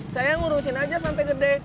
saya ngurusin aja sampai gede